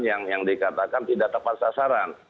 yang dikatakan tidak tepat sasaran